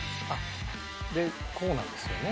でこうなんですよね。